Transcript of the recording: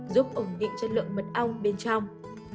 giúp ổn định chất lượng mật ong bên trong